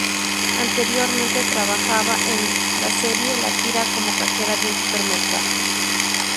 Anteriormente trabajaba en la serie "La tira" como cajera de un supermercado.